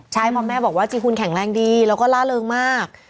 ใช่เพราะแม่บอกว่าจีฮูนแข็งแรงดีแล้วก็ล่าเริงมาก